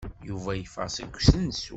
Yuba yeffeɣ seg usensu.